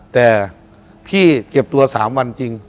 แต่พี่เก็บตัว๓วันจริง